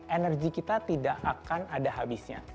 energi kita tidak akan ada habisnya